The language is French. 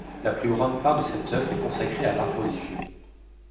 La plus grande part de cette œuvre est consacrée à l'art religieux.